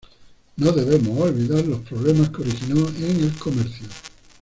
No debemos olvidar los problemas que originó en el comercio.